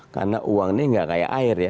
karena uang ini nggak kayak air ya